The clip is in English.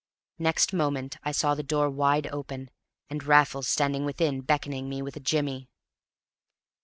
Next moment I saw the door wide open, and Raffles standing within and beckoning me with a jimmy.